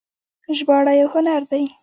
ژباړه یو هنر دی